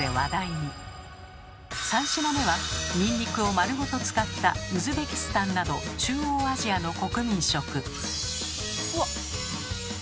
３品目はニンニクを丸ごと使ったウズベキスタンなど中央アジアの国民食。